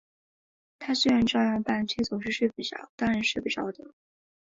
他虽然照样办，却总是睡不着，当然睡不着的